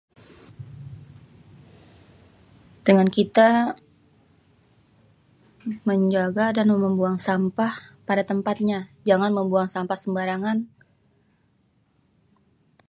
Dengan kita menjaga dan membuang sampah pada tempatnya. Jangan membuang sampah sembarangan.